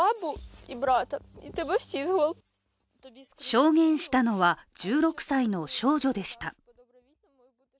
証言したのは、１６歳の少女でした。